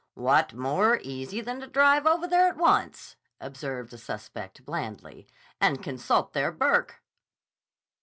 "What more easy than to drive over there at once," observed the suspect blandly, "and consult their Burke."